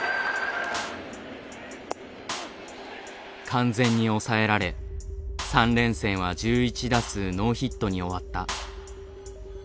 完全に抑えられ３連戦は１１打数ノーヒットに終わった。